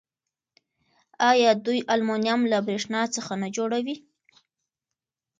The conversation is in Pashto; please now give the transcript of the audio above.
آیا دوی المونیم له بریښنا څخه نه جوړوي؟